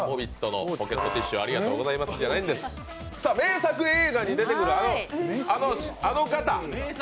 名作映画に出てくる、あの方。